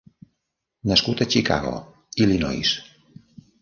Nascut a Chicago, Illinois.